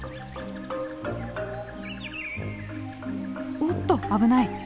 おっと危ない。